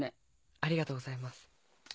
ありがとうございます。